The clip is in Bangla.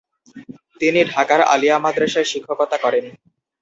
তিনি ঢাকার আলিয়া মাদ্রাসায় শিক্ষকতা করেন।